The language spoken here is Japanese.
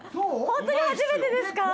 本当に初めてですか？